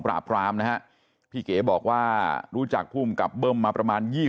กรามนะฮะพี่เก๋บอกว่ารู้จักภูมิกับเบิ้มมาประมาณ๒๐